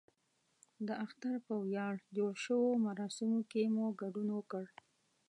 د اختر په ویاړ جوړو شویو مراسمو کې مو ګډون وکړ.